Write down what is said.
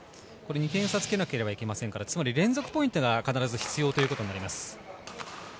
２点差をつけなければいけませんから、連続ポイントが必ず必要ということになります。